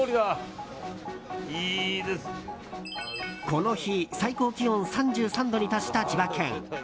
この日、最高気温３３度に達した千葉県。